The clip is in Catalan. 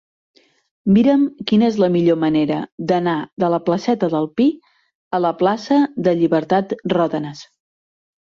Mira'm quina és la millor manera d'anar de la placeta del Pi a la plaça de Llibertat Ròdenas.